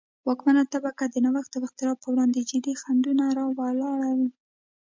واکمنه طبقه د نوښت او اختراع پروړاندې جدي خنډونه را ولاړوي.